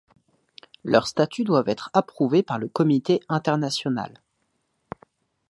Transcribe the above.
Leurs statuts doivent être approuvés par le comité international.